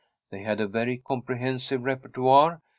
They had a very comprehen sive repertoire.